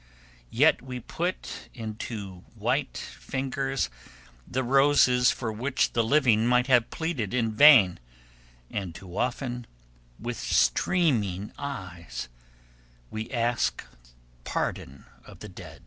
Yet we put into white fingers the roses for which the living might have pleaded in vain, and too often, with streaming eyes, we ask pardon of the dead.